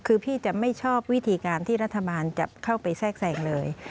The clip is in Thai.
คือพี่จะไม่ชอบวิธีการที่รัฐบาลจะเข้าไปแทรกแทรงเลย